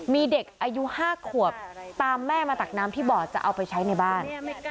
มีเด็กอายุ๕ขวบตามแม่มาตักน้ำที่บ่อจะเอาไปใช้ในบ้าน